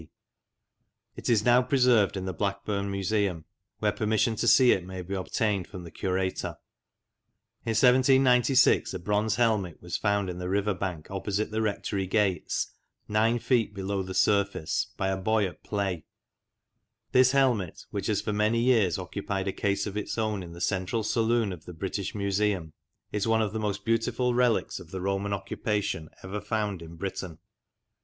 D. It is now preserved in the Blackburn Museum, where permission to see it may be obtained from the Curator. In 1796 a bronze helmet was found in the river bank GOLD FIBULA FROM RIBCHESTER. 48 MEMORIALS OF OLD LANCASHIRE opposite the rectory gates, nine feet below the surface, by a, boy at play. This helmet, which has for many years occupied a case of its own in the central saloon of the British Museum, is one of the most beautiful relics of the Roman occupation ever found in Britain.